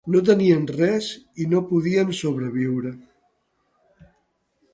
No tenien res i no podien sobreviure.